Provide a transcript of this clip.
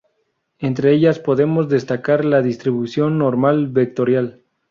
Entre ellas podemos destacar la distribución normal vectorial.